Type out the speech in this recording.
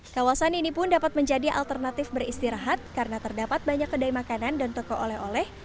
kawasan ini pun dapat menjadi alternatif beristirahat karena terdapat banyak kedai makanan dan toko oleh oleh